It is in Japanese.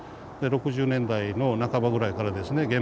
で６０年代の半ばぐらいからですね